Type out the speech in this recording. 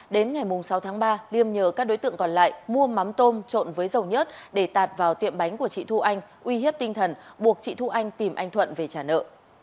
đến ngày sáu tháng ba liêm nhờ các đối tượng còn lại mua mắm tôm trộn với dầu nhớt để tạt vào tiệm bánh của chị thu anh uy hiếp tinh thần buộc chị thu anh tìm anh thuận về trả nợ